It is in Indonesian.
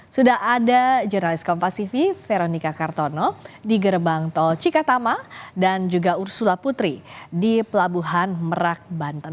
sudah ada jurnalis kompasifi veronica kartono di gerbang tol cikatama dan juga ursula putri di pelabuhan merak banten